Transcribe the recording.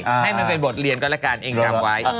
ให้มันเป็นบทเรียนก็แล้วกันเองจำไว้